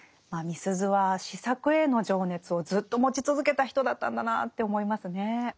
まあみすゞは詩作への情熱をずっと持ち続けた人だったんだなって思いますね。